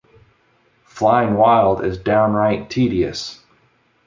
'Flying Wild' is downright tedious.